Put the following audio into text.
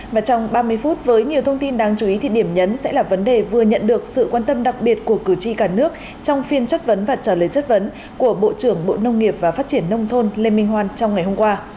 và trong ba mươi phút với nhiều thông tin đáng chú ý thì điểm nhấn sẽ là vấn đề vừa nhận được sự quan tâm đặc biệt của cử tri cả nước trong phiên chất vấn và trả lời chất vấn của bộ trưởng bộ nông nghiệp và phát triển nông thôn lê minh hoan trong ngày hôm qua